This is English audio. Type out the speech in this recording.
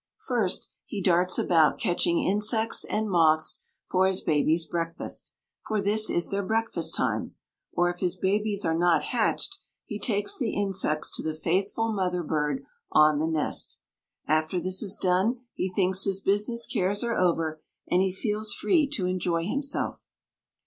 First, he darts about catching insects and moths for his babies' breakfast for this is their breakfast time or if his babies are not hatched he takes the insects to the faithful mother bird on the nest. After this is done he thinks his business cares are over, and he feels free to enjoy himself.